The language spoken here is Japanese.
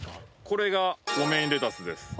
これがロメインレタスです。